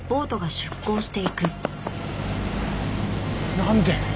なんで！？